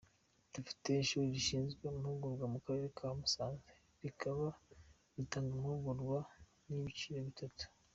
Dufite ishuri rishinzwe amahugurwa mu karere ka Musanze rikaba ritanga amahugurwa y’ibyiciro bitatu.